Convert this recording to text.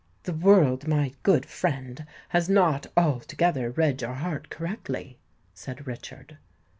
"The world, my good friend, has not altogether read your heart correctly," said Richard.